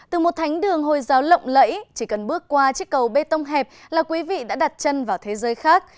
từ một thánh đường hồi giáo lộng lẫy chỉ cần bước qua chiếc cầu bê tông hẹp là quý vị đã đặt chân vào thế giới khác